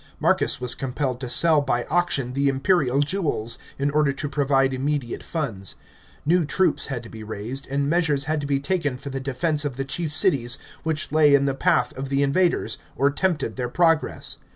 Marcus was compelled to sell by auction the imperial jewels, in order to pr vide imme date funds. New troops had to be raised, and measures had to be tnken for the defence of the chief cities which lay in the parh of the in vaders, or tempted their progress.